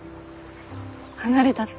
離れたって。